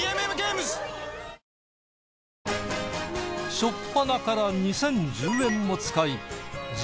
しょっぱなから２，０１０円も使い地